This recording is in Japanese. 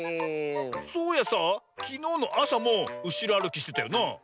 そういやさあきのうのあさもうしろあるきしてたよな。